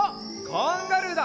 カンガルーだ！